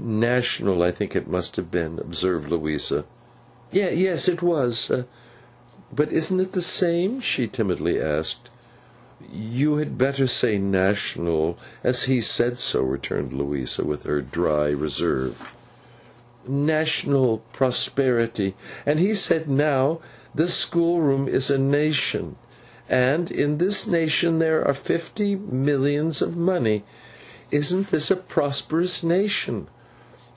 'National, I think it must have been,' observed Louisa. 'Yes, it was.—But isn't it the same?' she timidly asked. 'You had better say, National, as he said so,' returned Louisa, with her dry reserve. 'National Prosperity. And he said, Now, this schoolroom is a Nation. And in this nation, there are fifty millions of money. Isn't this a prosperous nation?